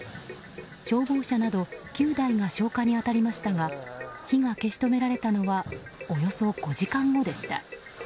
消防車など９台が消火に当たりましたが火が消し止められたのはおよそ５時間後でした。